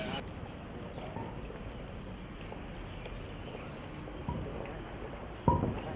สวัสดีทุกคน